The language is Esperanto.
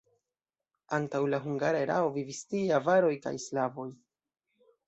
Antaŭ la hungara erao vivis tie avaroj kaj slavoj.